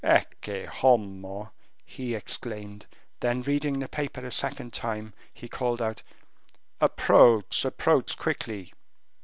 "Ecce homo!" he exclaimed; then reading the paper a second time, he called out, "Approach, approach quickly!"